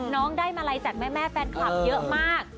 น้องได้มาลัยจากแม่แฟนคลับเยอะมาก